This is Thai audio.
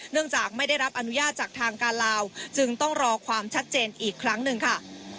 จากไม่ได้รับอนุญาตจากทางการลาวจึงต้องรอความชัดเจนอีกครั้งหนึ่งค่ะ